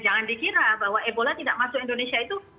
jangan dikira bahwa ebola tidak masuk indonesia itu